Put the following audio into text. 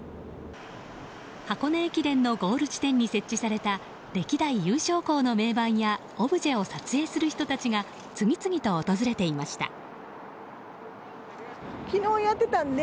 箱根駅伝のゴール地点に設置された歴代優勝校の銘板やオブジェを撮影する人たちが次々と訪れていました。